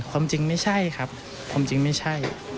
ความจริงไม่ใช่ครับความจริงไม่ใช่